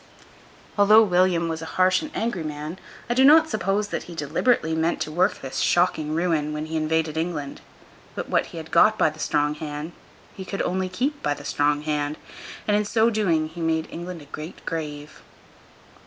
Although William was a harsh and angry man, I do not suppose that he deliberately meant to work this shocking ruin, when he invaded England. But what he had got by the strong hand, he could only keep by the strong hand, and in so doing he made England a great grave.